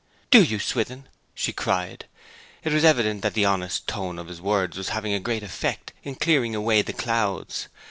'Do you, Swithin?' she cried. It was evident that the honest tone of his words was having a great effect in clearing away the clouds.